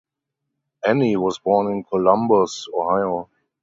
Annie was born in Columbus, Ohio.